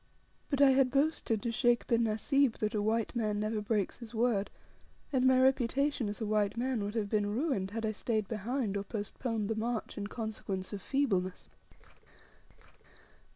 But I had boasted to Sheikh bin Nasib that a white man never breaks his word, and my reputation as a white man would have been ruined had I stayed behind, or postponed the march, in consequence of feebleness.